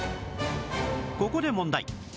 ここで問題